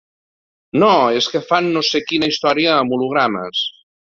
No, és que fan no sé quina història amb hologrames.